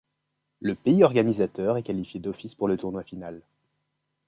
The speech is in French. Le pays organisateur est qualifié d'office pour le tournoi final.